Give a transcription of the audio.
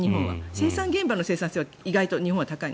生産現場の生産性は意外と日本は高くて。